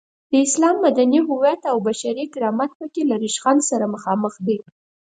د اسلام مدني هویت او بشري کرامت په کې له ریشخند سره مخامخ دی.